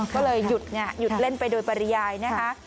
ก็เลยหยุดไงหยุดเล่นไปโดยปริยายนะคะ